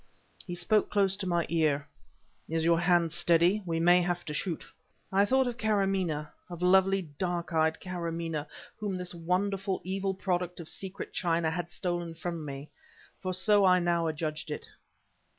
He spoke close to my ear. "Is your hand steady? We may have to shoot." I thought of Karamaneh, of lovely dark eyed Karamaneh whom this wonderful, evil product of secret China had stolen from me for so I now adjudged it.